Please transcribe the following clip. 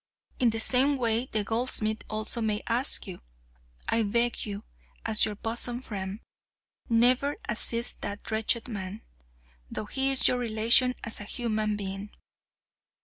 In the same way the goldsmith also may ask you. I beg you, as your bosom friend, never assist that wretched man, though he is your relation as a human being.